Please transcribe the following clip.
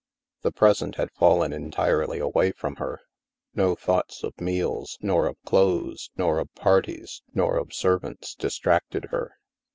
The present had fallen entirely away from her. No thoughts of meals, nor of clothes, nor of parties, nor of servants, distracted her.